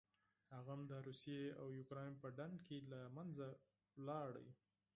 هغه هم د روسیې او اوکراین په ډنډ کې له منځه لاړه.